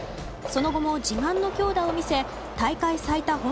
その後も、自慢の強打を見せ大会最多